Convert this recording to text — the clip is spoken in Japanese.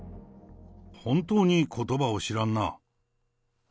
本当にことばを知らんな。